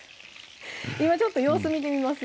今ちょっと様子見てみます？